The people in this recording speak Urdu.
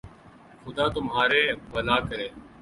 خدا تمہارر بھلا کرے